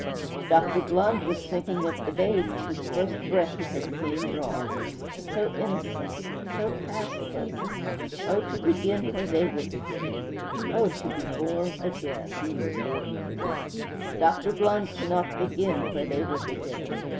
Dr. Blund was thinking of the babes whose first breath he had seen drawn. So innocent; so pastless! Oh, to begin where they were beginning! Oh, to be born again!' Dr. Blund cannot begin where they were beginning.